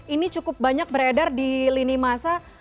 ini cukup banyak beredar di lini masa